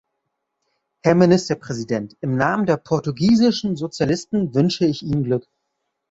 Herr Ministerpräsident, im Namen der portugiesischen Sozialisten wünsche ich Ihnen Glück.